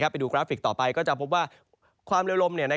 ไปดูกราฟิกต่อไปก็จะพบว่าความเร็วลม